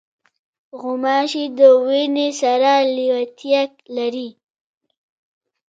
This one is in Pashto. غوماشې د وینې سره لیوالتیا لري.